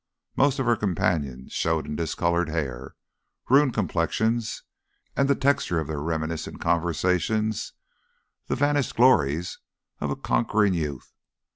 Most of her companions showed in discoloured hair, ruined complexions, and the texture of their reminiscent conversations, the vanished glories of a conquering youth.